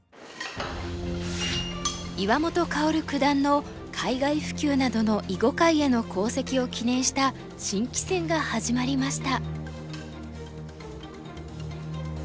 岩本薫九段の海外普及などの囲碁界への功績を記念した新棋戦が始まりました。